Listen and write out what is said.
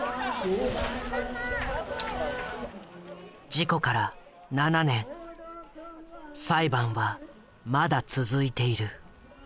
事故から７年裁判はまだ続いている。